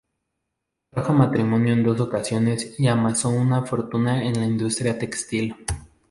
Contrajo matrimonio en dos ocasiones y amasó una fortuna en la industria textil.